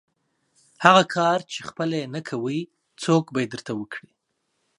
هغه کار چې خپله یې نه کوئ، څوک به یې درته وکړي؟